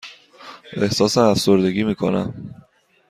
احساس افسردگی می کنم.